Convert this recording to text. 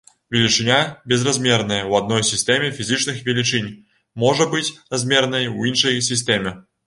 Велічыня, безразмерная ў адной сістэме фізічных велічынь, можа быць размернай у іншай сістэме.